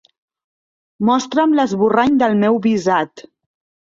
Mostra'm l'esborrany del meu visat.